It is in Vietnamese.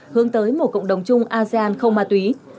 hướng tới một cộng đồng chung asean không ma túy